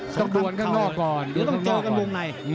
ต้องเจอกันวงใน